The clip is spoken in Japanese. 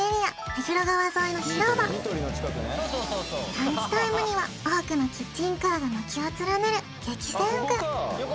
目黒川沿いの広場ランチタイムには多くのキッチンカーが軒を連ねる激戦区